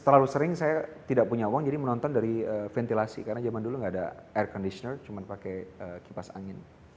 terlalu sering saya tidak punya uang jadi menonton dari ventilasi karena zaman dulu nggak ada air conditioner cuma pakai kipas angin